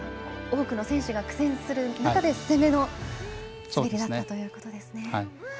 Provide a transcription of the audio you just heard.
多くの選手が苦戦する中で攻めの滑りだったということですね。